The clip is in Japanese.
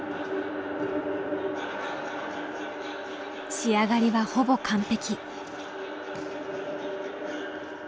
仕上がりはほぼ完璧。